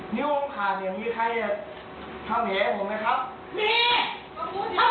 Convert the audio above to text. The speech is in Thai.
นิ้วผมขาดอย่างงี้ใครจะเข้าเหนียวให้ผมไหมครับ